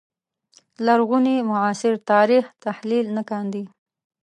لرغوني معاصر تاریخ تحلیل نه کاندي